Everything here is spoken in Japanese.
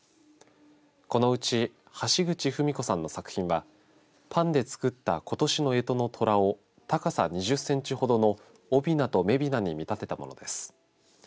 このうち橋口史子さんの作品はパンで作ったことしのえとのとらを高さ２０センチほどのおびなとめびなに見立てたものです。